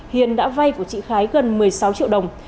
hiền đã vay của chị khái gần một mươi sáu triệu đồng